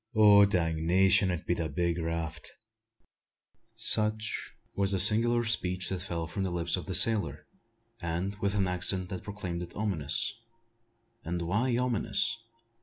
"Dangnation! it be the big raft." Such was the singular speech that fell from the lips of the sailor, and with an accent that proclaimed it ominous. And why ominous?